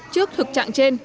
trước thực trạng trên